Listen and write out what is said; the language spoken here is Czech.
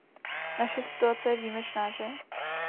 Naše situace je výjimečná, že?